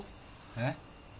えっ？